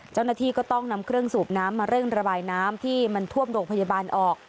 เจ้าหน้าที่ก็ต้องนำเครื่องสูบน้ำมาเร่งระบายน้ำที่มันท่วมโรงพยาบาลออก